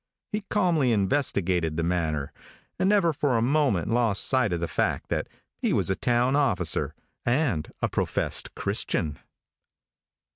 He calmly investigated the matter, and never for a moment lost sight of the fact that he was a town officer and a professed Christian.